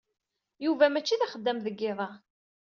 Yuba mačči d axeddam deg yiḍ-a.